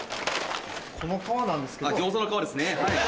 このカワなんですけど。